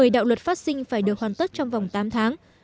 một mươi đạo luật phát sinh phải được hoàn tất trong vòng tám tháng